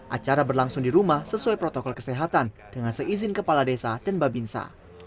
acara berlangsung di rumah sesuai protokol kesehatan dengan seizin kepala desa dan babinsa